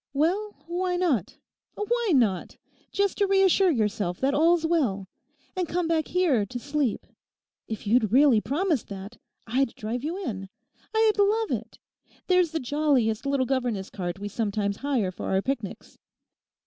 'Well, why not? Why not? Just to reassure yourself that all's well. And come back here to sleep. If you'd really promise that I'd drive you in. I'd love it. There's the jolliest little governess cart we sometimes hire for our picnics.